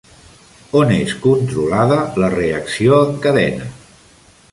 On és controlada la reacció en cadena?